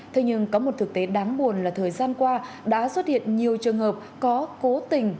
thế nhưng có một thực tế đáng buồn là thời gian qua đã xuất hiện nhiều trường hợp có cố tình